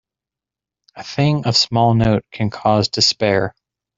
A thing of small note can cause despair.